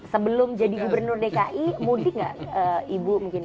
sebelum jadi gubernur dki mudik nggak ibu mungkin